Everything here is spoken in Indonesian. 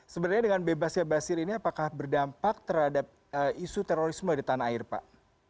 sebenarnya dengan bebasnya basir ini apakah berdampak terhadap isu terorisme di tanah air pak